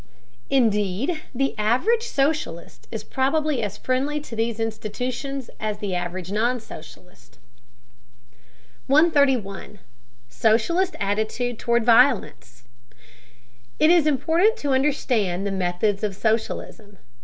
Indeed, the average socialist is probably as friendly to these institutions as is the average non socialist. 131. SOCIALIST ATTITUTE TOWARD VIOLENCE. It is important to understand the methods of socialism.